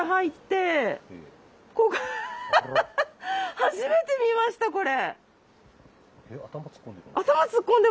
初めて見ましたこれ！